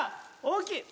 大きい！